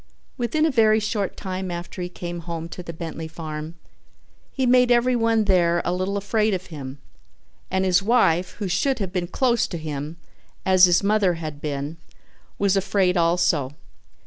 Within a very short time after he came home to the Bentley farm he made everyone there a little afraid of him, and his wife, who should have been close to him as his mother had been, was afraid also.